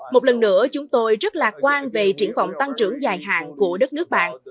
một lần nữa chúng tôi rất lạc quan về triển vọng tăng trưởng dài hạn của đất nước bạn